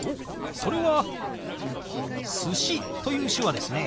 それは「寿司」という手話ですね。